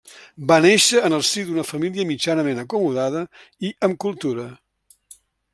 Va néixer en el si d'una família mitjanament acomodada i amb cultura.